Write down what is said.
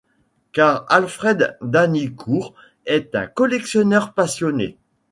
Car Alfred Danicourt est un collectionneur passionné.